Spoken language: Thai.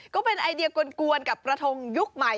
ก็เป็นไอเดียกลวนกับกระทงยุคใหม่